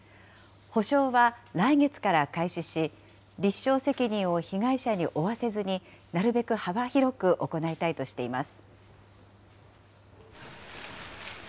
補償は来月から開始し、立証責任を被害者に負わせずに、なるべく幅広く行いたいとしています。